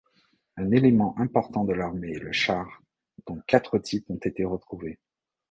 Un élément important de l’armée est le char, dont quatre types ont été retrouvés.